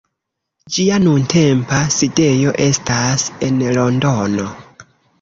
Ĝia nuntempa sidejo estas en Londono.